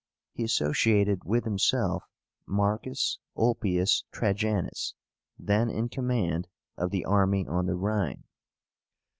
He associated with himself MARCUS ULPIUS TRAJANUS, then in command of the army on the Rhine.